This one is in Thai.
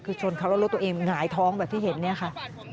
คือชนเขาแล้วรถตัวเองหงายท้องแบบที่เห็นเนี่ยค่ะ